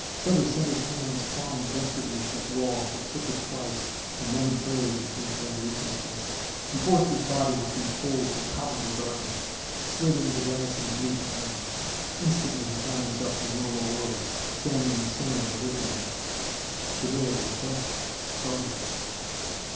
Sutter sent his hands clawing desperately at that wall as it flickered twice and momentarily became translucent again. He forced his body between folds of palpable darkness, slid into the vanishing blue cone. Instantly he found himself in his normal world, standing in the center of the sitting room. Travail looked up, startled.